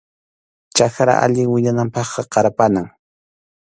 Chakra allin wiñananpaqqa qarpanam.